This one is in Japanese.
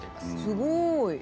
すごい。